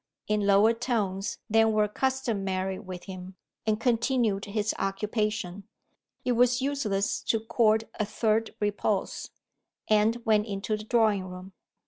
in lower tones than were customary with him, and continued his occupation. It was useless to court a third repulse. Anne went into the drawing room.